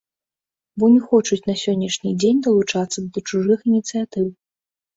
Бо не хочуць на сённяшні дзень далучацца да чужых ініцыятыў.